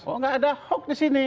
oh nggak ada hoax di sini